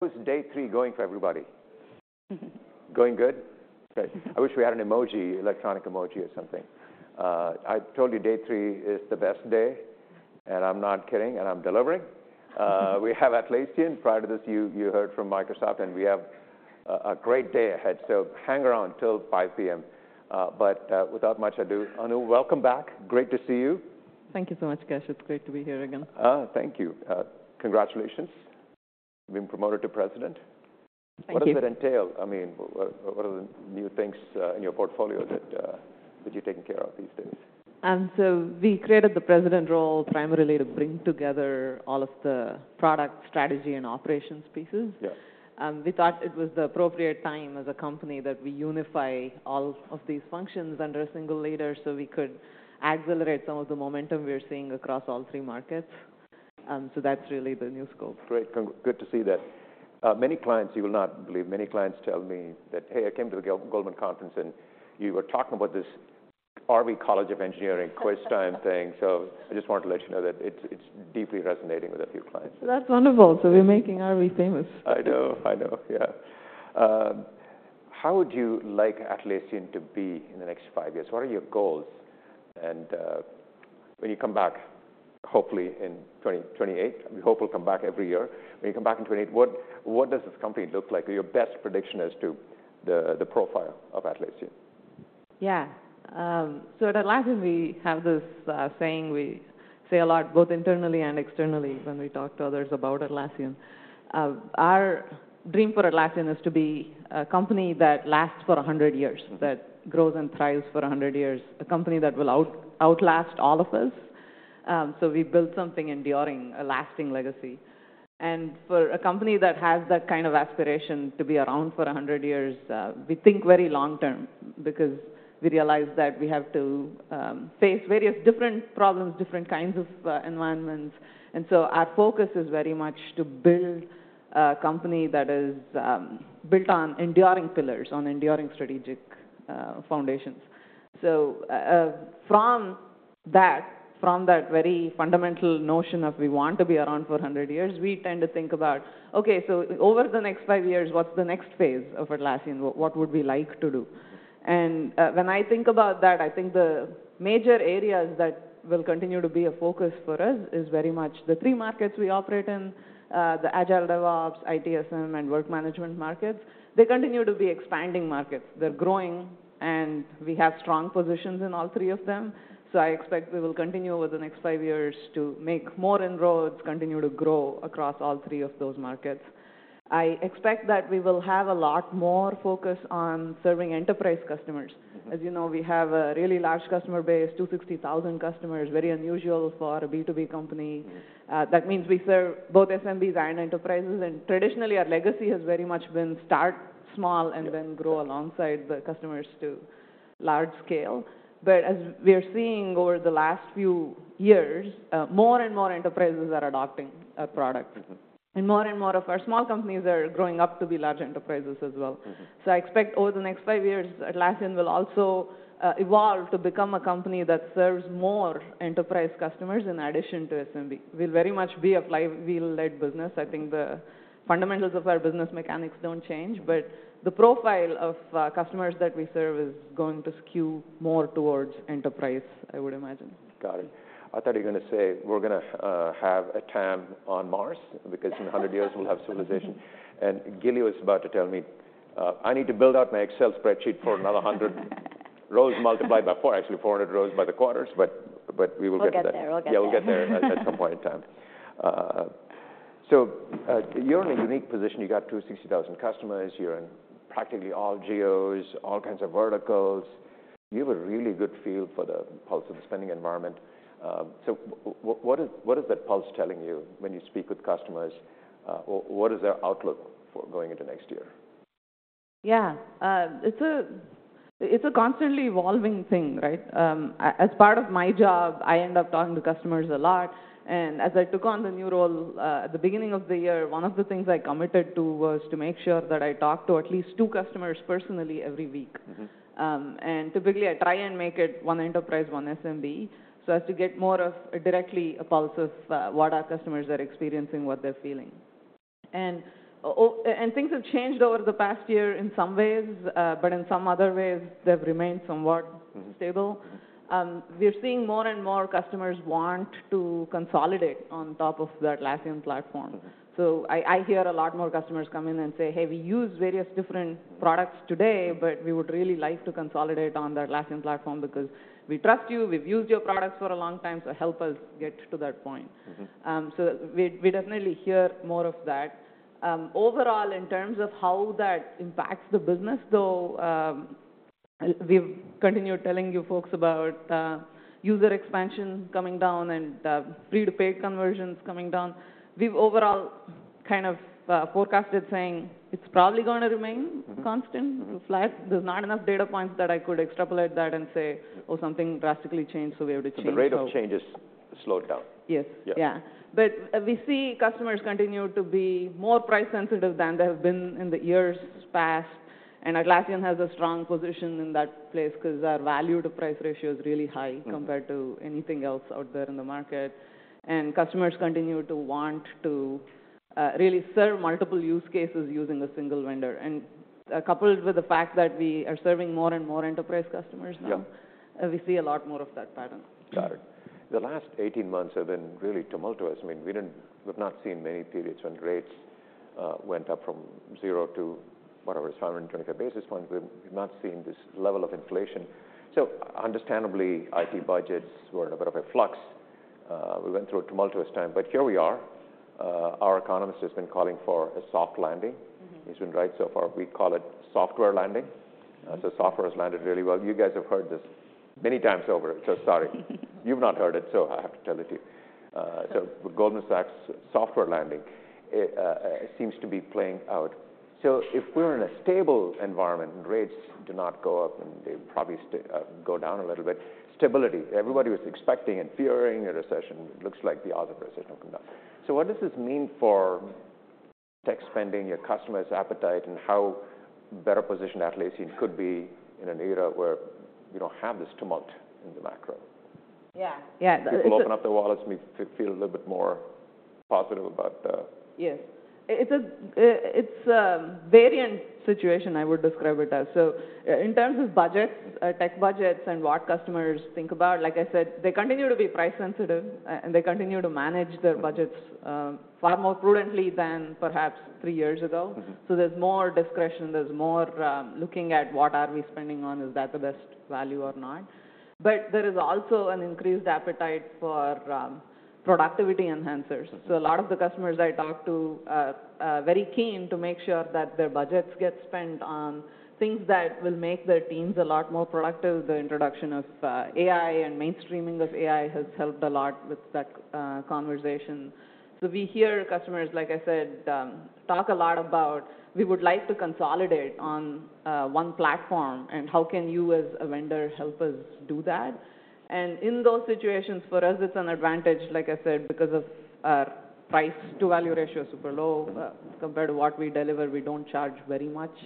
How is day three going for everybody? Going good? Okay. I wish we had an emoji, electronic emoji or something. I told you day three is the best day, and I'm not kidding, and I'm delivering. We have Atlassian. Prior to this, you heard from Microsoft, and we have a great day ahead, so hang around till 5:00 P.M. But without much ado, Anu, welcome back. Gre++at to see you. Thank you so much, Kash. It's great to be here again. Thank you. Congratulations, you've been promoted to president. Thank you. What does that entail? I mean, what, what are the new things in your portfolio that, that you're taking care of these days? So, we created the president role primarily to bring together all of the product, strategy, and operations pieces. Yeah. We thought it was the appropriate time as a company that we unify all of these functions under a single leader so we could accelerate some of the momentum we are seeing across all three markets. So that's really the new scope. Great. Good to see that. Many clients, you will not believe, many clients tell me that, "Hey, I came to the Goldman conference, and you were talking about this R.V. College of Engineering QuizTime thing," so I just wanted to let you know that it's, it's deeply resonating with a few clients. That's wonderful. So we're making RV famous. I know. I know, yeah. How would you like Atlassian to be in the next five years? What are your goals? And when you come back, hopefully in 2028, we hope we'll come back every year, when you come back in 2028, what does this company look like? Your best prediction as to the profile of Atlassian. Yeah. So at Atlassian, we have this saying we say a lot, both internally and externally, when we talk to others about Atlassian. Our dream for Atlassian is to be a company that lasts for 100 years, that grows and thrives for 100 years, a company that will outlast all of us. So we build something enduring, a lasting legacy. For a company that has that kind of aspiration to be around for 100 years, we think very long term because we realize that we have to face various different problems, different kinds of environments. So our focus is very much to build a company that is built on enduring pillars, on enduring strategic foundations. So, from that, from that very fundamental notion of we want to be around for 100 years, we tend to think about, okay, so over the next 5 years, what's the next phase of Atlassian? What, what would we like to do? And, when I think about that, I think the major areas that will continue to be a focus for us is very much the three markets we operate in, the Agile, DevOps, ITSM, and Work Management markets. They continue to be expanding markets. They're growing, and we have strong positions in all three of them, so I expect we will continue over the next 5 years to make more inroads, continue to grow across all three of those markets. I expect that we will have a lot more focus on serving enterprise customers. As you know, we have a really large customer base, 260,000 customers, very unusual for a B2B company. Yeah. That means we serve both SMBs and enterprises, and traditionally, our legacy has very much been start small and then grow alongside the customers to large scale. But as we are seeing over the last few years, more and more enterprises are adopting our product. More and more of our small companies are growing up to be large enterprises as well. So I expect over the next five years, Atlassian will also evolve to become a company that serves more enterprise customers in addition to SMB. We'll very much be a flywheel-led business. I think the fundamentals of our business mechanics don't change, but the profile of customers that we serve is going to skew more towards enterprise, I would imagine. Got it. I thought you were gonna say, "We're gonna have a TAM on Mars, because in 100 years we'll have civilization." And Gilly was about to tell me, I need to build out my Excel spreadsheet for another 100 rows multiplied by 4, actually, 400 rows by the quarters, but, but we will get there. We'll get there. We'll get there. Yeah, we'll get there at, at some point in time. So, you're in a unique position. You got 260,000 customers. You're in practically all geos, all kinds of verticals. You have a really good feel for the pulse of the spending environment. So what is, what is that pulse telling you when you speak with customers? What, what is their outlook for going into next year? Yeah. It's a constantly evolving thing, right? As part of my job, I end up talking to customers a lot, and as I took on the new role, at the beginning of the year, one of the things I committed to was to make sure that I talk to at least two customers personally every week. Typically, I try and make it one enterprise, one SMB, so as to get more of directly a pulse of what our customers are experiencing, what they're feeling. And things have changed over the past year in some ways, but in some other ways, they've remained somewhat stable. We're seeing more and more customers want to consolidate on top of the Atlassian platform. So I hear a lot more customers come in and say: Hey, we use various different products today but we would really like to consolidate on the Atlassian platform because we trust you, we've used your products for a long time, so help us get to that point. So we definitely hear more of that. Overall, in terms of how that impacts the business, though, we've continued telling you folks about user expansion coming down and free-to-paid conversions coming down. We've overall kind of forecasted saying it's probably gonna remain constant, flat. There's not enough data points that I could extrapolate that and say, "Oh, something drastically changed, so we have to change our- So the rate of change has slowed down? Yes. Yeah. Yeah. But we see customers continue to be more price sensitive than they have been in the years past... and Atlassian has a strong position in that place 'cause our value to price ratio is really high compared to anything else out there in the market. And customers continue to want to really serve multiple use cases using a single vendor. And coupled with the fact that we are serving more and more enterprise customers now. Yeah. We see a lot more of that pattern. Got it. The last eighteen months have been really tumultuous. I mean, we've not seen many periods when rates went up from zero to, whatever, it's 125 basis points. We've not seen this level of inflation, so understandably, IT budgets were in a bit of a flux. We went through a tumultuous time, but here we are. Our economist has been calling for a soft landing. He's been right so far. We call it software landing. So software has landed really well. You guys have heard this many times over, so sorry. You've not heard it, so I have to tell it to you. So Goldman Sachs software landing seems to be playing out. So if we're in a stable environment and rates do not go up, and they probably go down a little bit, stability, everybody was expecting and fearing a recession. It looks like the odds of a recession have come down. So what does this mean for tech spending, your customers' appetite, and how better positioned Atlassian could be in an era where you don't have this tumult in the macro? Yeah. Yeah, People open up their wallets, may feel a little bit more positive about the- Yes. It's a variant situation, I would describe it as. So, in terms of budgets, tech budgets and what customers think about, like I said, they continue to be price sensitive, and they continue to manage their budgets, far more prudently than perhaps three years ago. So there's more discretion, there's more, looking at what are we spending on, is that the best value or not? But there is also an increased appetite for, productivity enhancers. Mm-hmm. So a lot of the customers I talk to are very keen to make sure that their budgets get spent on things that will make their teams a lot more productive. The introduction of AI and mainstreaming of AI has helped a lot with that conversation. So we hear customers, like I said, talk a lot about, "We would like to consolidate on one platform, and how can you, as a vendor, help us do that?" And in those situations, for us, it's an advantage, like I said, because of our price to value ratio is super low. Compared to what we deliver, we don't charge very much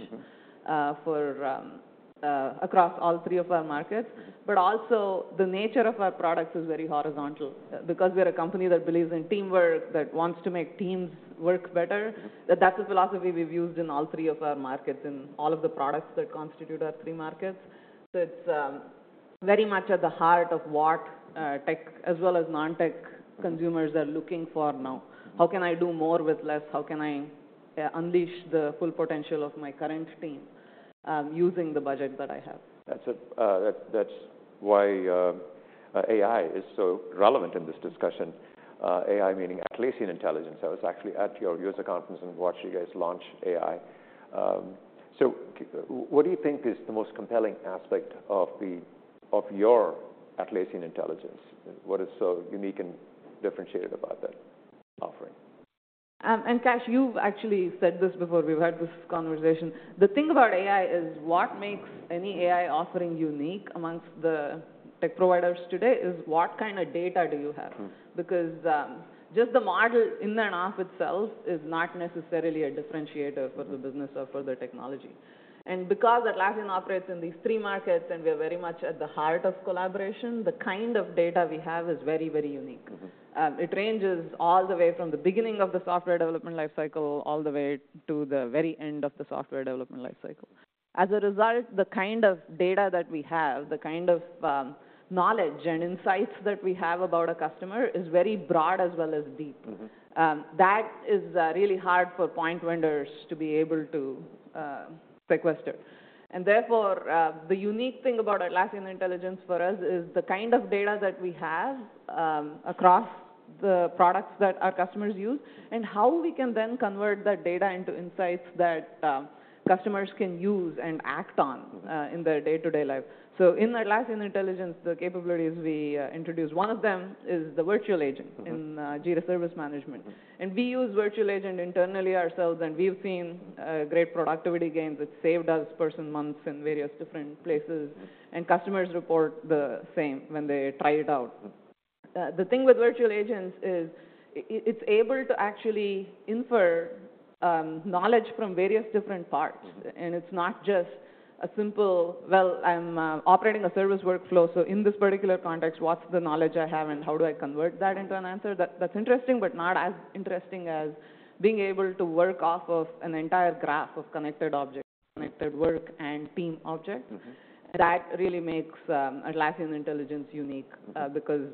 across all three of our markets. But also, the nature of our products is very horizontal. Because we're a company that believes in teamwork, that wants to make teams work better that's the philosophy we've used in all three of our markets and all of the products that constitute our three markets. So it's very much at the heart of what tech as well as non-tech consumers are looking for now: "How can I do more with less? How can I unleash the full potential of my current team using the budget that I have? That's it. That, that's why AI is so relevant in this discussion. AI, meaning Atlassian Intelligence. I was actually at your user conference and watched you guys launch AI. So what do you think is the most compelling aspect of your Atlassian Intelligence? What is so unique and differentiated about that offering? Kash, you've actually said this before. We've had this conversation. The thing about AI is, what makes any AI offering unique among the tech providers today is what kind of data do you have? Because just the model in and of itself is not necessarily a differentiator for the business or for the technology. And because Atlassian operates in these three markets, and we are very much at the heart of collaboration, the kind of data we have is very, very unique. It ranges all the way from the beginning of the software development life cycle, all the way to the very end of the software development life cycle. As a result, the kind of data that we have, the kind of, knowledge and insights that we have about a customer is very broad as well as deep. That is really hard for point vendors to be able to sequester. And therefore, the unique thing about Atlassian Intelligence for us is the kind of data that we have across the products that our customers use, and how we can then convert that data into insights that customers can use and act on in their day-to-day life. So in Atlassian Intelligence, the capabilities we introduced, one of them is the Virtual Agent in Jira Service Management. We use Virtual Agent internally ourselves, and we've seen great productivity gains. It's saved us person months in various different places, and customers report the same when they try it out. The thing with Virtual Agents is, it's able to actually infer knowledge from various different parts. It's not just a simple, "Well, I'm operating a service workflow, so in this particular context, what's the knowledge I have and how do I convert that into an answer?" That's interesting, but not as interesting as being able to work off of an entire graph of connected objects, connected work, and team objects. That really makes, Atlassian Intelligence unique because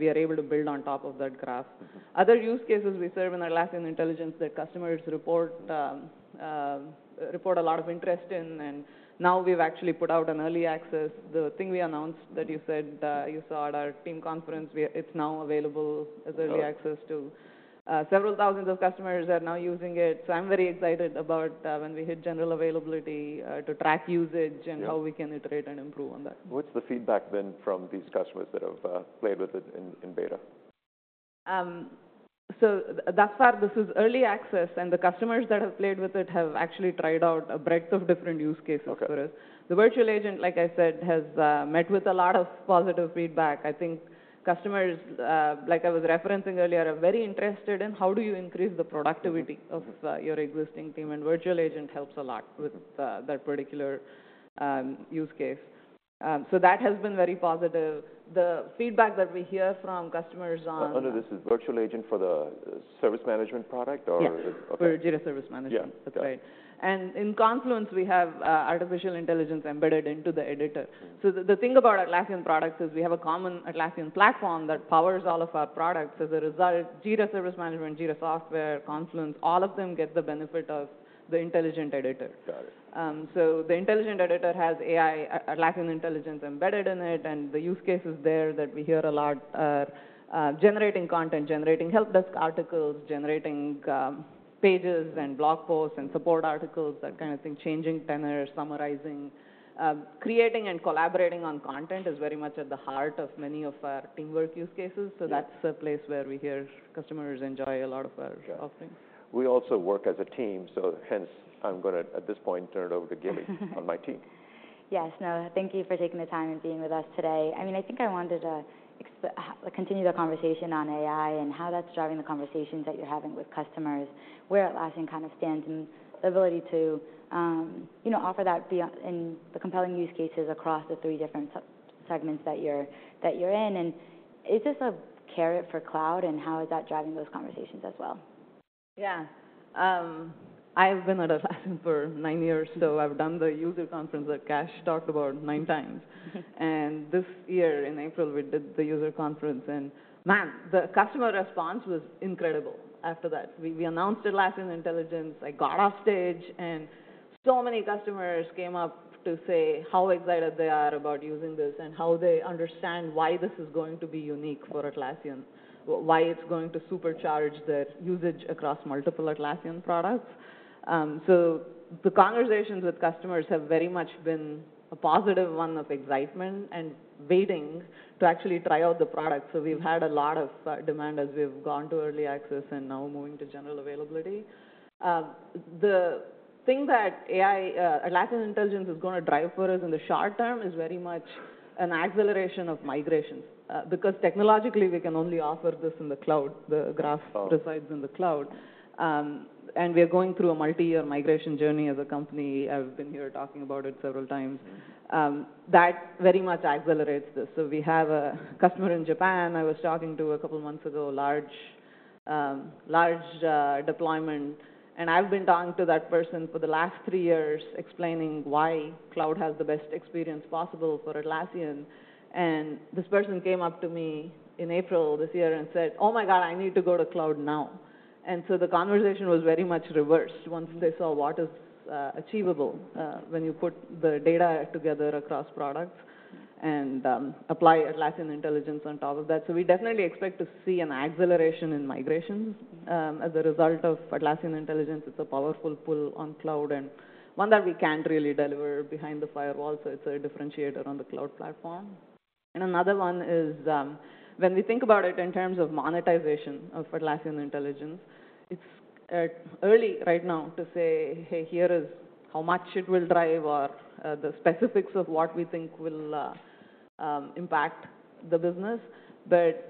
we are able to build on top of that graph. Other use cases we serve in Atlassian Intelligence that customers report a lot of interest in, and now we've actually put out an early access, the thing we announced that you said you saw at our team conference, we-- it's now available as- Oh... early access to... Several thousands of customers are now using it. So I'm very excited about when we hit general availability to track usage- Yeah... and how we can iterate and improve on that. What's the feedback, then, from these customers that have played with it in beta? So thus far, this is early access, and the customers that have played with it have actually tried out a breadth of different use cases for us. Okay. The Virtual Agent, like I said, has met with a lot of positive feedback. I think customers, like I was referencing earlier, are very interested in how do you increase the productivity- Mm-hmm... of your existing team, and Virtual Agent helps a lot with that particular use case.... So that has been very positive. The feedback that we hear from customers on- Under this is Virtual Agent for the service management product or? Yes. Okay. For Jira Service Management. Yeah. That's right. And in Confluence, we have artificial intelligence embedded into the editor. Mm. So the thing about Atlassian products is we have a common Atlassian platform that powers all of our products. As a result, Jira Service Management, Jira Software, Confluence, all of them get the benefit of the intelligent editor. Got it. So the intelligent editor has AI, Atlassian Intelligence embedded in it, and the use cases there that we hear a lot are generating content, generating help desk articles, generating pages and blog posts and support articles, that kind of thing. Changing tenor, summarizing. Creating and collaborating on content is very much at the heart of many of our teamwork use cases. Yeah. That's a place where we hear customers enjoy a lot of our- Sure - offerings. We also work as a team, so hence, I'm gonna, at this point, turn it over to Gilly, on my team. Yes. No, thank you for taking the time and being with us today. I mean, I think I wanted to continue the conversation on AI and how that's driving the conversations that you're having with customers, where Atlassian kind of stands, and the ability to, you know, offer that be in the compelling use cases across the three different segments that you're in. And is this a carrot for cloud, and how is that driving those conversations as well? Yeah. I've been at Atlassian for nine years, so I've done the user conference that Kash talked about nine times. And this year, in April, we did the user conference, and, man, the customer response was incredible after that. We announced Atlassian Intelligence. I got offstage, and so many customers came up to say how excited they are about using this, and how they understand why this is going to be unique for Atlassian, why it's going to supercharge their usage across multiple Atlassian products. So the conversations with customers have very much been a positive one of excitement and waiting to actually try out the product. Mm. So we've had a lot of demand as we've gone to early access and now moving to general availability. The thing that AI, Atlassian Intelligence is gonna drive for us in the short term is very much an acceleration of migrations. Because technologically, we can only offer this in the cloud, the graph- Oh Resides in the cloud. We are going through a multi-year migration journey as a company. I've been here talking about it several times. Mm. That very much accelerates this. So we have a customer in Japan I was talking to a couple of months ago, large, large deployment. And I've been talking to that person for the last three years, explaining why Cloud has the best experience possible for Atlassian. And this person came up to me in April this year and said: "Oh, my God, I need to go to Cloud now." And so the conversation was very much reversed once they saw what is achievable when you put the data together across products and apply Atlassian Intelligence on top of that. So we definitely expect to see an acceleration in migrations as a result of Atlassian Intelligence. It's a powerful pull on Cloud, and one that we can't really deliver behind the firewall, so it's a differentiator on the Cloud platform. And another one is, when we think about it in terms of monetization of Atlassian Intelligence, it's early right now to say, "Hey, here is how much it will drive," or, the specifics of what we think will, impact the business. But,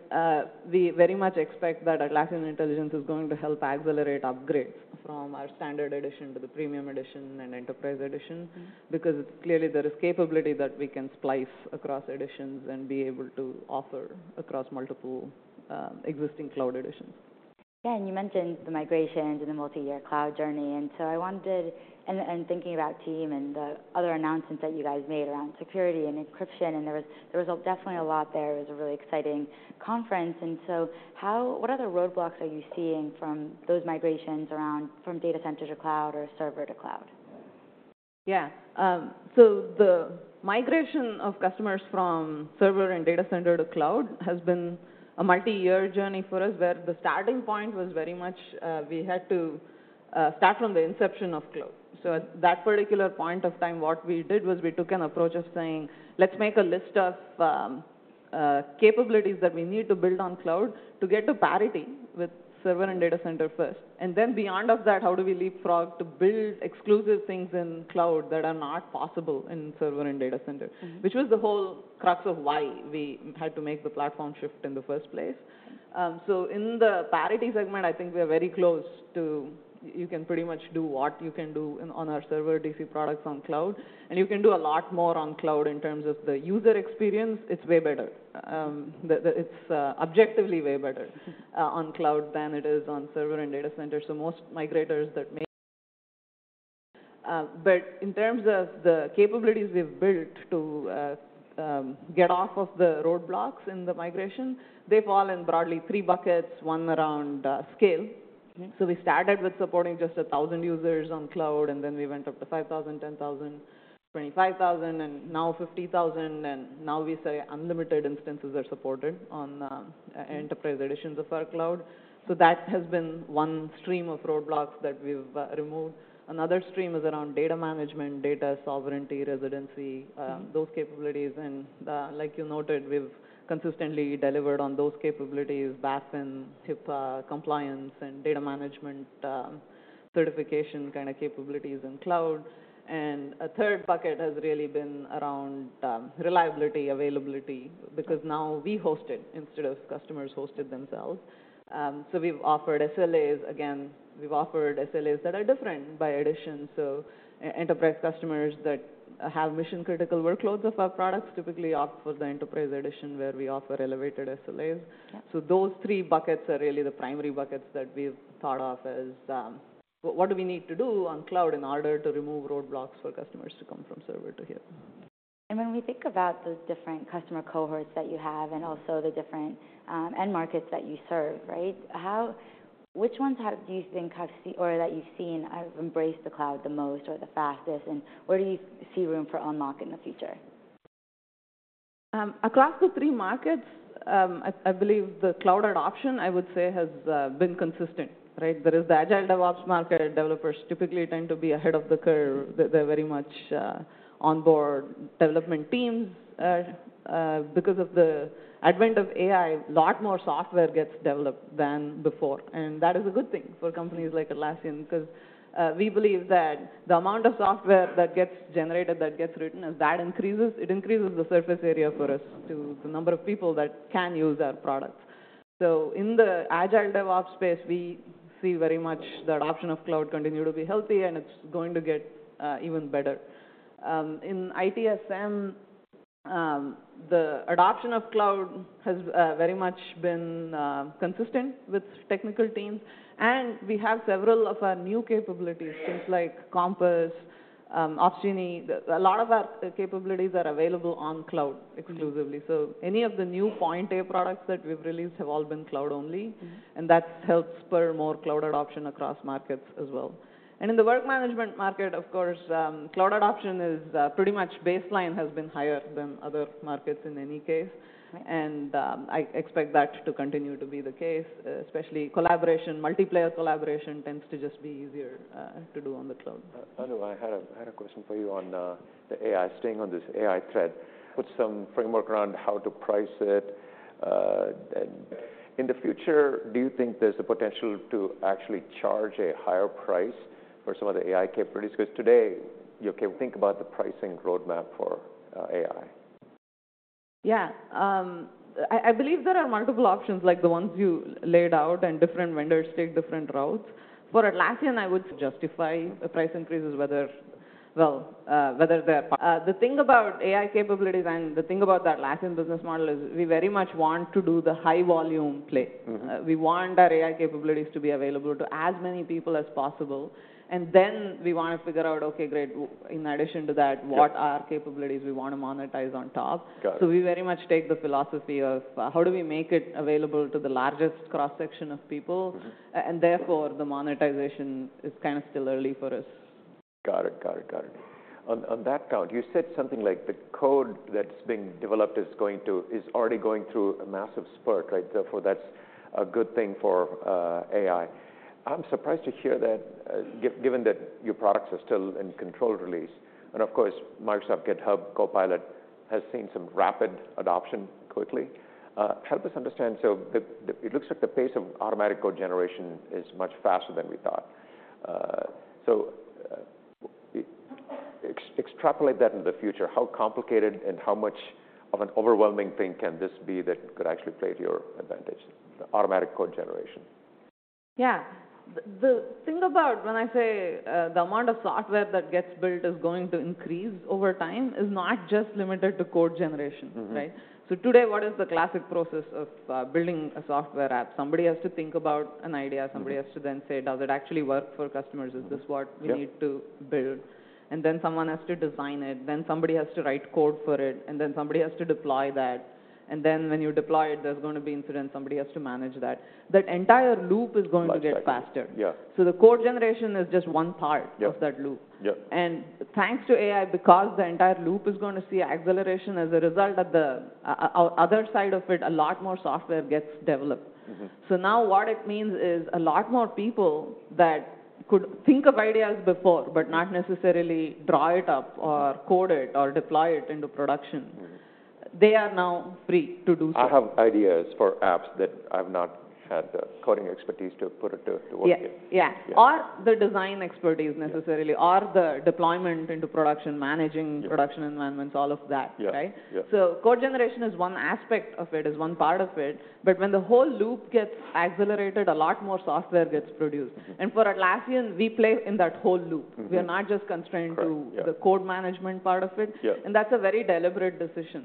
we very much expect that Atlassian Intelligence is going to help accelerate upgrades from our Standard Edition to the Premium Edition and Enterprise Edition. Mm. Because clearly, there is capability that we can splice across editions and be able to offer across multiple, existing cloud editions. Yeah, and you mentioned the migration to the multi-year Cloud journey, and so I wanted... And thinking about team and the other announcements that you guys made around security and encryption, and there was definitely a lot there. It was a really exciting conference. And so how... What other roadblocks are you seeing from those migrations around, from Data Center to Cloud or Server to Cloud? Yeah. So the migration of customers from Server and Data Center to Cloud has been a multi-year journey for us, where the starting point was very much, we had to start from the inception of Cloud. So at that particular point of time, what we did was we took an approach of saying: Let's make a list of capabilities that we need to build on Cloud to get to parity with Server and Data Center first, and then beyond of that, how do we leapfrog to build exclusive things in Cloud that are not possible in Server and Data Center? Mm. Which was the whole crux of why we had to make the platform shift in the first place. So in the parity segment, I think we are very close to... You can pretty much do what you can do in on our Server DC products on Cloud, and you can do a lot more on Cloud in terms of the user experience. It's way better. It's objectively way better on Cloud than it is on Server and Data Center. So most migrators that may... But in terms of the capabilities we've built to get off of the roadblocks in the migration, they fall in broadly three buckets, one around scale. Mm. So we started with supporting just 1,000 users on Cloud, and then we went up to 5,000, 10,000, 25,000, and now 50,000, and now we say unlimited instances are supported on the- Mm Enterprise Editions of our Cloud. So that has been one stream of roadblocks that we've removed. Another stream is around data management, data sovereignty, residency- Mm... those capabilities. And, like you noted, we've consistently delivered on those capabilities, BAA and HIPAA compliance and data management, certification kind of capabilities in cloud. And a third bucket has really been around, reliability, availability- Mm Because now we host it instead of customers hosted themselves. So we've offered SLAs. Again, we've offered SLAs that are different by edition. So enterprise customers that have mission-critical workloads of our products typically opt for the Enterprise Edition, where we offer elevated SLAs. Yeah. So those three buckets are really the primary buckets that we've thought of as, what do we need to do on Cloud in order to remove roadblocks for customers to come from Server to here?... And when we think about those different customer cohorts that you have and also the different, end markets that you serve, right? Which ones have, do you think, have seen or that you've seen have embraced the cloud the most or the fastest, and where do you see room for unlock in the future? Across the three markets, I believe the cloud adoption, I would say, has been consistent, right? There is the Agile DevOps market. Developers typically tend to be ahead of the curve. They're very much on board development teams. Because of the advent of AI, a lot more software gets developed than before, and that is a good thing for companies like Atlassian, 'cause we believe that the amount of software that gets generated, that gets written, as that increases, it increases the surface area for us to the number of people that can use our products. So in the Agile DevOps space, we see very much the adoption of cloud continue to be healthy, and it's going to get even better. In ITSM, the adoption of cloud has very much been consistent with technical teams, and we have several of our new capabilities, things like Compass, Atlas. A lot of our capabilities are available on cloud exclusively. So any of the new Point A products that we've released have all been cloud-only, and that helps spur more cloud adoption across markets as well. In the Work Management market, of course, cloud adoption is pretty much baseline has been higher than other markets in any case, and I expect that to continue to be the case, especially collaboration. Multiplayer collaboration tends to just be easier to do on the cloud. Anu, I had a question for you on the AI. Staying on this AI thread, put some framework around how to price it, and in the future, do you think there's the potential to actually charge a higher price for some of the AI capabilities? Because today, you can think about the pricing roadmap for AI. Yeah. I believe there are multiple options like the ones you laid out, and different vendors take different routes. For Atlassian, I would justify the price increases, whether they're... The thing about AI capabilities and the thing about the Atlassian business model is we very much want to do the high volume play. Mm-hmm. We want our AI capabilities to be available to as many people as possible, and then we want to figure out, okay, great, in addition to that- Yeah... what are capabilities we want to monetize on top? Got it. So we very much take the philosophy of how do we make it available to the largest cross-section of people? Mm-hmm. And therefore, the monetization is kind of still early for us. Got it, got it, got it. On that count, you said something like the code that's being developed is going to, is already going through a massive spurt, right? Therefore, that's a good thing for AI. I'm surprised to hear that, given that your products are still in controlled release, and of course, Microsoft GitHub Copilot has seen some rapid adoption quickly. Help us understand. So it looks like the pace of automatic code generation is much faster than we thought. So, extrapolate that into the future. How complicated and how much of an overwhelming thing can this be that could actually play to your advantage, the automatic code generation? Yeah. The thing about when I say the amount of software that gets built is going to increase over time is not just limited to code generation, right? Mm-hmm. So today, what is the classic process of building a software app? Somebody has to think about an idea. Mm-hmm. Somebody has to then say: "Does it actually work for customers? Mm-hmm. Is this what- Yeah... we need to build? And then someone has to design it, then somebody has to write code for it, and then somebody has to deploy that. And then when you deploy it, there's going to be incidents, somebody has to manage that. That entire loop is going to get faster. Much faster, yeah. The code generation is just one part- Yeah... of that loop. Yeah. Thanks to AI, because the entire loop is going to see acceleration as a result of the other side of it, a lot more software gets developed. Mm-hmm. So now what it means is a lot more people that could think of ideas before, but not necessarily draw it up, or code it, or deploy it into production- Mm-hmm ... they are now free to do so. I have ideas for apps that I've not had the coding expertise to put it to work yet. Yeah, yeah. Yeah. Or the design expertise necessarily- Yeah... or the deployment into production, managing- Yeah... production environments, all of that. Yeah. Right? Yeah. Code generation is one aspect of it, is one part of it, but when the whole loop gets accelerated, a lot more software gets produced. Mm-hmm. For Atlassian, we play in that whole loop. Mm-hmm. We are not just constrained to- Correct. Yeah... the code management part of it. Yeah. That's a very deliberate decision,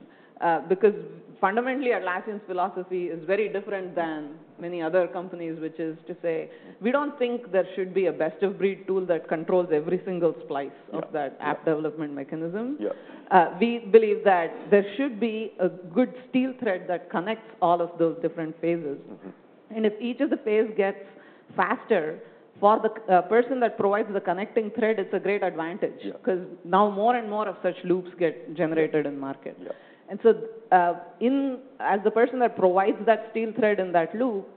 because fundamentally, Atlassian's philosophy is very different than many other companies, which is to say: We don't think there should be a best-of-breed tool that controls every single splice- Yeah... of that app development mechanism. Yeah. We believe that there should be a good steel thread that connects all of those different phases. Mm-hmm. If each of the phases gets faster, for the person that provides the connecting thread, it's a great advantage. Yeah. 'Cause now more and more of such loops get generated in market. Yeah. And so, as the person that provides that steel thread in that loop,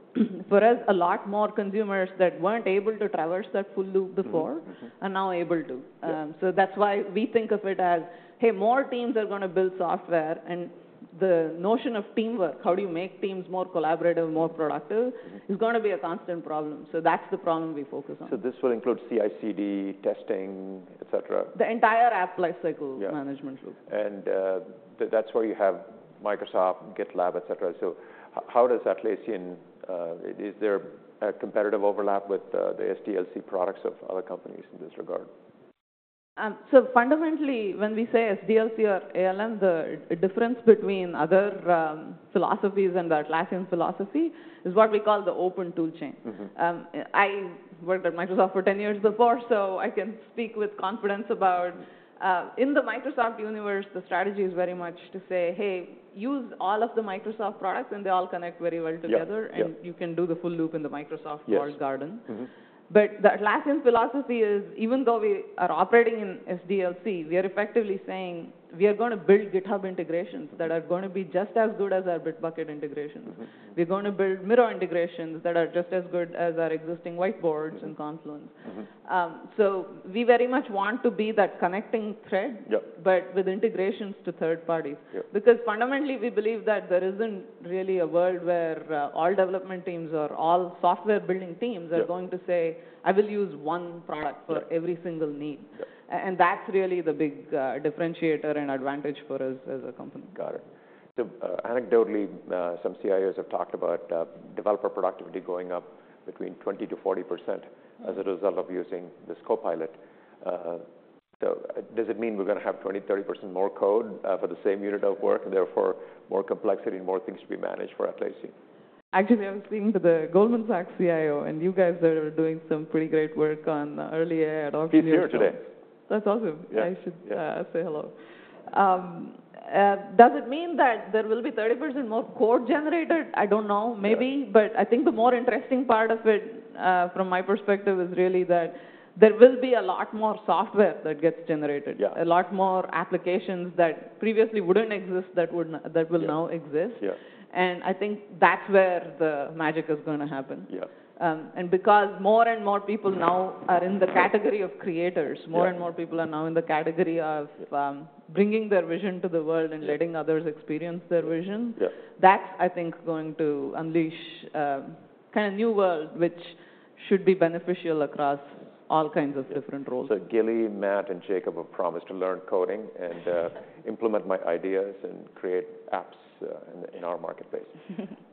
for us, a lot more consumers that weren't able to traverse that full loop before- Mm-hmm, mm-hmm... are now able to. Yeah. So that's why we think of it as, hey, more teams are gonna build software, and the notion of teamwork, how do you make teams more collaborative, more productive- Mm-hmm... is gonna be a constant problem, so that's the problem we focus on. This will include CI/CD, testing, et cetera? The entire app lifecycle- Yeah... management loop. That's where you have Microsoft, GitLab, et cetera. So how does Atlassian, is there a competitive overlap with the SDLC products of other companies in this regard? ... So fundamentally, when we say SDLC or ALM, the difference between other philosophies and the Atlassian philosophy is what we call the open tool chain. Mm-hmm. I worked at Microsoft for 10 years before, so I can speak with confidence about. In the Microsoft universe, the strategy is very much to say, "Hey, use all of the Microsoft products, and they all connect very well together. Yep, yep. You can do the full loop in the Microsoft- Yes. - "walled garden. Mm-hmm. But the Atlassian's philosophy is, even though we are operating in SDLC, we are effectively saying, "We are going to build GitHub integrations that are going to be just as good as our Bitbucket integrations. Mm-hmm. We're going to build Miro integrations that are just as good as our existing whiteboards- Mm-hmm. - and Confluence. Mm-hmm. So, we very much want to be that connecting thread- Yep... but with integrations to third parties. Yep. Because fundamentally, we believe that there isn't really a world where all development teams or all software building teams- Yep are going to say, "I will use one product for every single need. Yep. And that's really the big differentiator and advantage for us as a company. Got it. So, anecdotally, some CIOs have talked about, developer productivity going up between 20%-40% as a result of using this Copilot. So does it mean we're gonna have 20%-30% more code, for the same unit of work, and therefore more complexity and more things to be managed for Atlassian? Actually, I was speaking to the Goldman Sachs CIO, and you guys are doing some pretty great work on early AI adoption here, so- He's here today. That's awesome. Yeah. I should, Yeah... say hello. Does it mean that there will be 30% more code generated? I don't know. Yeah. Maybe. But I think the more interesting part of it, from my perspective, is really that there will be a lot more software that gets generated. Yeah. A lot more applications that previously wouldn't exist, that would n- Yeah... that will now exist. Yeah. I think that's where the magic is gonna happen. Yeah. And because more and more people now are in the category of creators- Yeah... more and more people are now in the category of, bringing their vision to the world- Yeah and letting others experience their vision. Yeah. That, I think, is going to unleash, kind of new world, which should be beneficial across all kinds of different roles. Gilly, Matt, and Jacob have promised to learn coding and implement my ideas and create apps in our marketplace.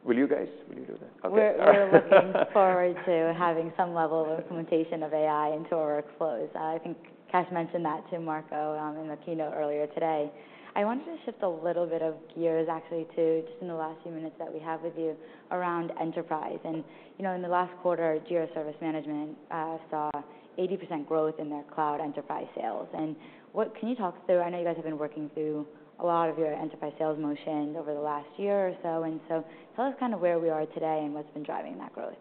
Will you guys? Will you do that? Okay. We're looking forward to having some level of implementation of AI into our workflows. I think Kash mentioned that to Marco in the keynote earlier today. I wanted to shift a little bit of gears actually to, just in the last few minutes that we have with you, around enterprise. You know, in the last quarter, Jira Service Management saw 80% growth in their cloud enterprise sales. And what... Can you talk through - I know you guys have been working through a lot of your enterprise sales motions over the last year or so, and so tell us kind of where we are today and what's been driving that growth.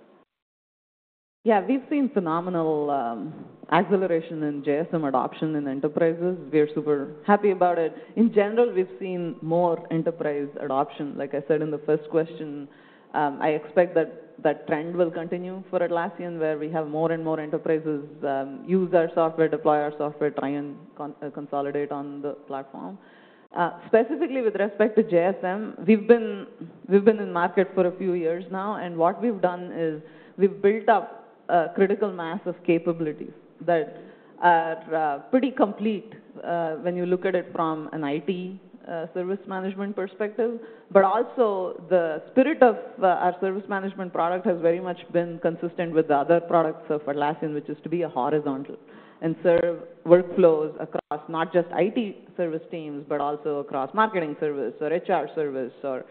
Yeah. We've seen phenomenal acceleration in JSM adoption in enterprises. We are super happy about it. In general, we've seen more enterprise adoption. Like I said in the first question, I expect that that trend will continue for Atlassian, where we have more and more enterprises use our software, deploy our software, try and consolidate on the platform. Specifically with respect to JSM, we've been in market for a few years now, and what we've done is we've built up a critical mass of capabilities that are pretty complete when you look at it from an IT service management perspective. But also, the spirit of our service management product has very much been consistent with the other products of Atlassian, which is to be a horizontal and serve workflows across not just IT service teams, but also across marketing service or HR service, or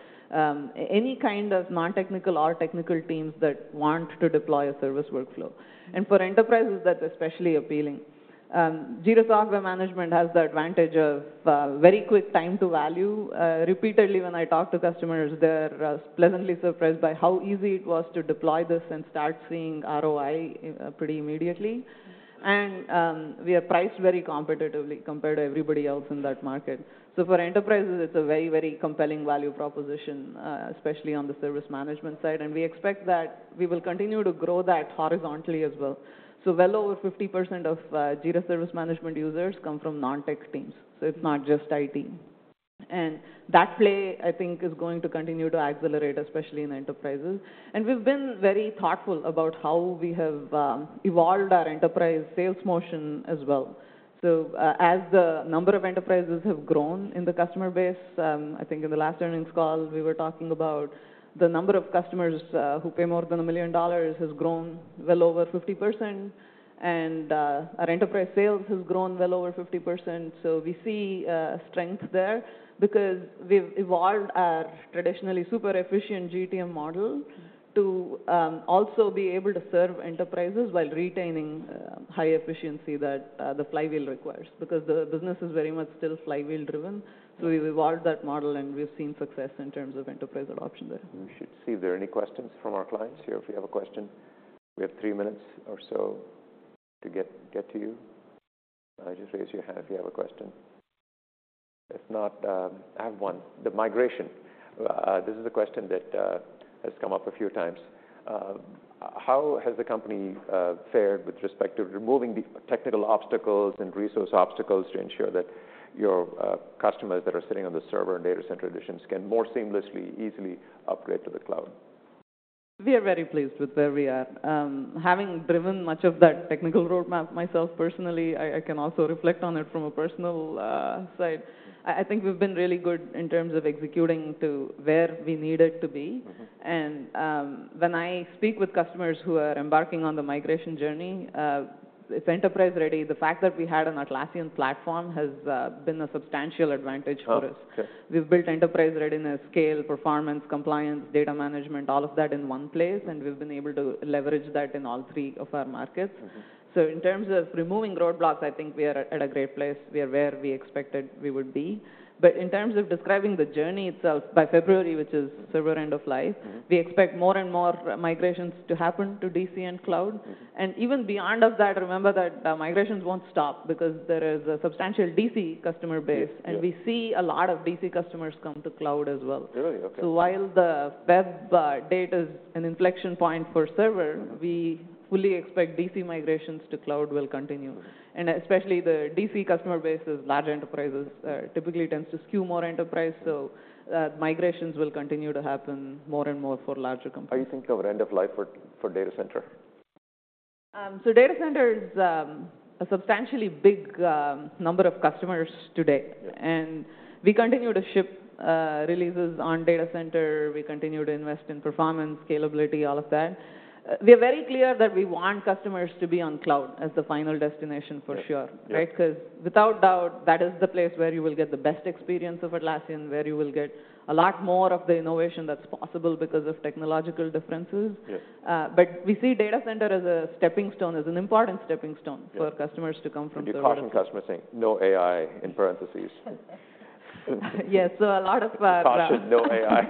any kind of non-technical or technical teams that want to deploy a service workflow. Mm-hmm. And for enterprises, that's especially appealing. Jira Service Management has the advantage of very quick time to value. Repeatedly, when I talk to customers, they're pleasantly surprised by how easy it was to deploy this and start seeing ROI pretty immediately. And we are priced very competitively compared to everybody else in that market. So for enterprises, it's a very, very compelling value proposition, especially on the service management side, and we expect that we will continue to grow that horizontally as well. So well over 50% of Jira Service Management users come from non-tech teams, so it's not just IT. And that play, I think, is going to continue to accelerate, especially in enterprises. And we've been very thoughtful about how we have evolved our enterprise sales motion as well. So, as the number of enterprises have grown in the customer base, I think in the last earnings call, we were talking about the number of customers, who pay more than $1 million has grown well over 50%, and, our enterprise sales has grown well over 50%. So we see, strength there because we've evolved our traditionally super efficient GTM model to, also be able to serve enterprises while retaining, high efficiency that, the flywheel requires, because the business is very much still flywheel driven. Mm-hmm. So we've evolved that model, and we've seen success in terms of enterprise adoption there. We should see if there are any questions from our clients here. If you have a question, we have three minutes or so to get to you. Just raise your hand if you have a question. If not, I have one: the migration. This is a question that has come up a few times. How has the company fared with respect to removing the technical obstacles and resource obstacles to ensure that your customers that are sitting on the Server and Data Center editions can more seamlessly, easily upgrade to the Cloud?... We are very pleased with where we are. Having driven much of that technical roadmap myself personally, I can also reflect on it from a personal side. I think we've been really good in terms of executing to where we needed to be. Mm-hmm. When I speak with customers who are embarking on the migration journey, it's enterprise-ready. The fact that we had an Atlassian platform has been a substantial advantage for us. Oh, okay. We've built enterprise readiness, scale, performance, compliance, data management, all of that in one place, and we've been able to leverage that in all three of our markets. Mm-hmm. So in terms of removing roadblocks, I think we are at a great place. We are where we expected we would be. But in terms of describing the journey itself, by February, which is Server End of Life- Mm. We expect more and more migrations to happen to DC and cloud. Okay. Even beyond of that, remember that migrations won't stop because there is a substantial DC customer base. Yes, yeah. We see a lot of DC customers come to Cloud as well. Really? Okay. So while the February date is an inflection point for Server, we fully expect DC migrations to Cloud will continue. Right. Especially the DC customer base is large enterprises, typically tends to skew more enterprise, so migrations will continue to happen more and more for larger companies. How do you think of end of life for Data Center? Data Center is a substantially big number of customers today. Yeah. We continue to ship releases on Data Center. We continue to invest in performance, scalability, all of that. We are very clear that we want customers to be on Cloud as the final destination, for sure. Yeah. Yeah. Right? 'Cause without doubt, that is the place where you will get the best experience of Atlassian, where you will get a lot more of the innovation that's possible because of technological differences. Yeah. We see Data Center as a stepping stone, as an important stepping stone. Yeah -for customers to come from Server. You caution customers saying, "No AI," in parentheses. Yes. So a lot of, Caution, no AI.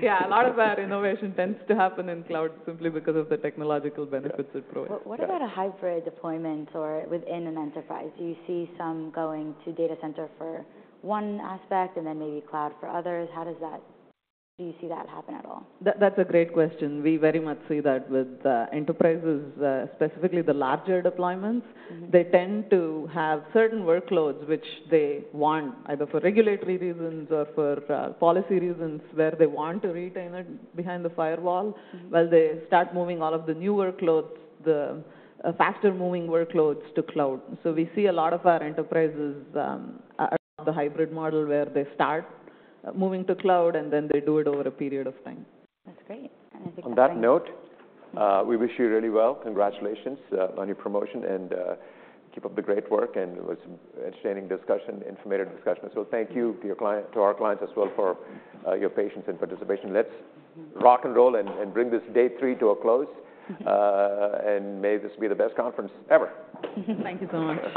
Yeah, a lot of our innovation tends to happen in cloud simply because of the technological benefits it provides. Yeah. But what about a hybrid deployment or within an enterprise? Do you see some going to Data Center for one aspect and then maybe Cloud for others? How does that... Do you see that happen at all? That, that's a great question. We very much see that with the enterprises, specifically the larger deployments. Mm-hmm. They tend to have certain workloads which they want, either for regulatory reasons or for policy reasons, where they want to retain it behind the firewall- Mm-hmm While they start moving all of the new workloads, the faster moving workloads to Cloud. So we see a lot of our enterprises are the hybrid model, where they start moving to Cloud, and then they do it over a period of time. That's great. And I think that's- On that note, we wish you really well. Congratulations on your promotion, and keep up the great work. And it was an interesting discussion, informative discussion. So thank you to your client, to our clients as well, for your patience and participation. Let's rock and roll and bring this day three to a close. And may this be the best conference ever. Thank you so much.